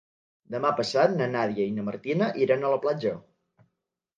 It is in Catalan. Demà passat na Nàdia i na Martina iran a la platja.